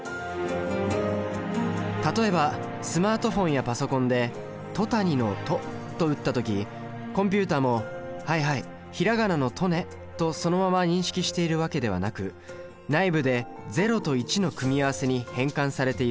例えばスマートフォンやパソコンで「とたに」の「と」と打った時コンピュータも「はいはいひらがなの『と』ね」とそのまま認識している訳ではなく内部で０と１の組み合わせに変換されているんです。